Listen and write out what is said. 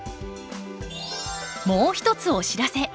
もう一つお知らせ。